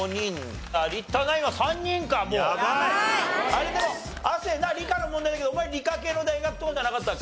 あれでも亜生な理科の問題だけどお前理科系の大学とかじゃなかったっけ？